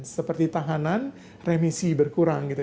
seperti tahanan remisi berkurang